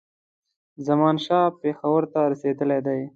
زمانشاه پېښور ته رسېدلی دی.